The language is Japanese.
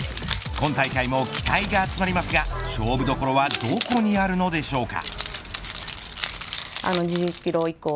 今大会も期待が集まりますが勝負どころはどこにあるのでしょうか。